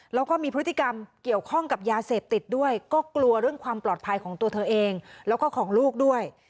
แล้วก็มีพฤติกรรมเกี่ยวข้องกับยาเสพติดด้วยก็กลัวเรื่องความปลอดภัยของตัวเธอเองแล้วก็ของลูกด้วย